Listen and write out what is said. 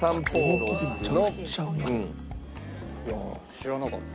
知らなかった。